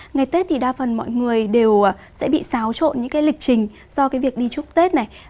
ngày tết thì đa phần mọi người đều sẽ bị xáo trộn những lịch trình do việc đi chúc tết